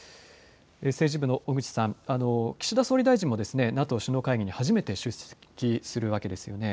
政治部の小口さん、岸田総理大臣もＮＡＴＯ首脳会議に初めて出席するわけですよね。